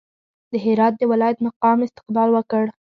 د هرات د ولایت مقام استقبال وکړ.